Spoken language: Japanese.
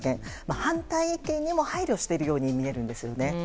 反対意見にも配慮しているように見えるんですね。